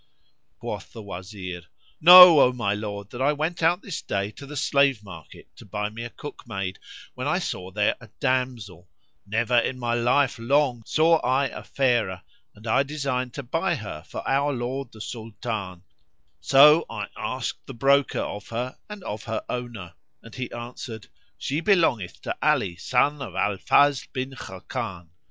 Quoth the Wazir, "Know, O my lord, that I went out this day to the slave market to buy me a cookmaid, when I saw there a damsel, never in my life long saw I a fairer; and I designed to buy her for our lord the Sultan; so I asked the broker of her and of her owner, and he answered, "She belongeth to Ali son of Al Fazl bin Khákán.